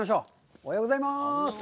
おはようございます。